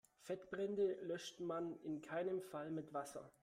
Fettbrände löscht man in keinem Fall mit Wasser.